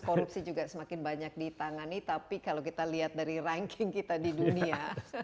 korupsi juga semakin banyak ditangani tapi kalau kita lihat dari ranking kita di dunia